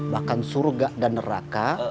bahkan surga dan neraka